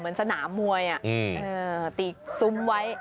เหมือนสนามวยอ่ะตีซุ้มไว้